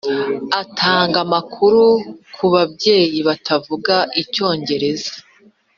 atanga amakuru ku babyeyi batavuga Icyongereza .